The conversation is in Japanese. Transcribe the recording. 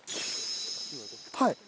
はい。